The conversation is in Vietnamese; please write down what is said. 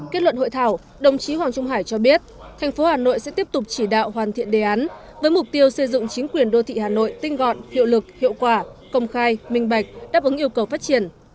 kết luận hội thảo đồng chí hoàng trung hải cho biết thành phố hà nội sẽ tiếp tục chỉ đạo hoàn thiện đề án với mục tiêu xây dựng chính quyền đô thị hà nội tinh gọn hiệu lực hiệu quả công khai minh bạch đáp ứng yêu cầu phát triển